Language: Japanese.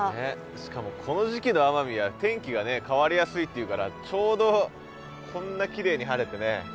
しかもこの時期の奄美は天気が変わりやすいっていうからちょうどこんなきれいに晴れてね。